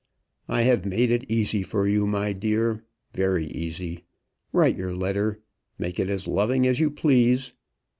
"I have made it easy for you, my dear; very easy. Write your letter. Make it as loving as you please.